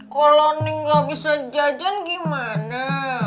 kalo neng gak bisa jajan gimana